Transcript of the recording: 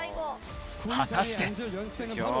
果たして